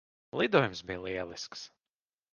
Lidojums bija lielisks.